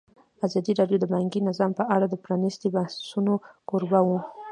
ازادي راډیو د بانکي نظام په اړه د پرانیستو بحثونو کوربه وه.